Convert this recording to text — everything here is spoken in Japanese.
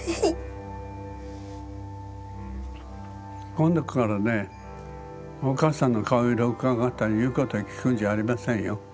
今度からねお母さんの顔色をうかがったり言うこと聞くんじゃありませんよ。